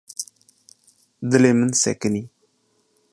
Dilê min sekinî.